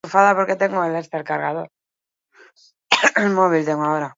Bilbora joan zen Pasaiaren ebakuazioan.